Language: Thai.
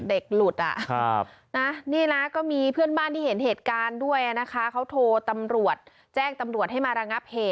เหล็กหลุดอ่ะครับน่ะนี่นะก็มีเพื่อนบ้านที่เห็นเหตุการณ์ด้วยอ่ะนะคะ